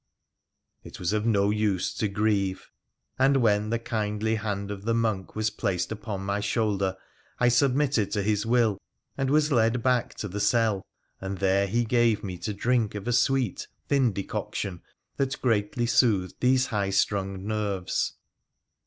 It was of no use to grieve ; and when the kindly hand of the monk was placed upon my shoulder I submitted to his will, and was led back to the cell, and there he gave me to drink of a sweet, thin decoction that greatly soothed these high strung nerves.